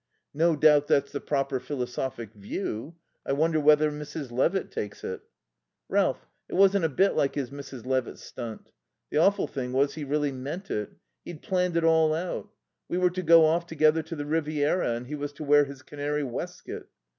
"No doubt that's the proper philosophic view. I wonder whether Mrs. Levitt takes it." "Ralph it wasn't a bit like his Mrs. Levitt stunt. The awful thing was he really meant it. He'd planned it all out. We were to go off together to the Riviera, and he was to wear his canary waistcoat."